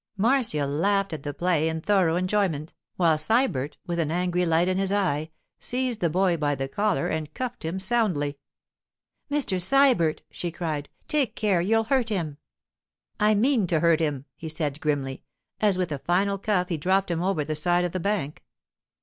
Marcia laughed at the play in thorough enjoyment, while Sybert, with an angry light in his eye, seized the boy by the collar and cuffed him soundly. 'Mr. Sybert,' she cried, 'take care; you'll hurt him!' 'I mean to hurt him,' he said grimly, as with a final cuff he dropped him over the side of the bank.